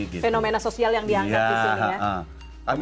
fenomena sosial yang diangkat di sini ya